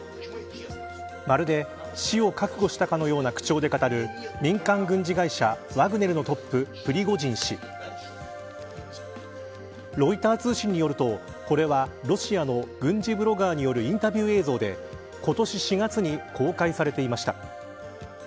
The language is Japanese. まるで、死を覚悟したかのような口調で語る民間軍事会社ワグネルのトッププリゴジン氏。ロイター通信によるとこれはロシアの軍事ブロガーによるインタビュー映像で今年４月に公開されていました。